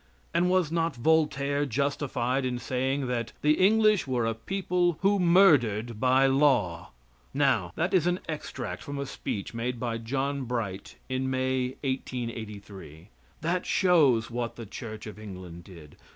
And was not Voltaire justified in saying that "The English were a people who murdered by law?" Now, that is an extract from a speech made by John Bright in May, 1883. That shows what the Church of England did.